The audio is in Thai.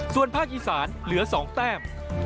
ส่วนภาคอีสานเหลือ๒แต้ม